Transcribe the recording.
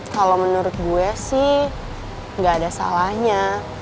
kalau menurut gue sih nggak ada salahnya